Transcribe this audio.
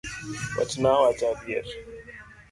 Wachna awacha adieri.